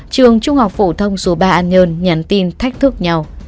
trường trung học phổ thông số ba an nhơn nhắn tin thách thức nhau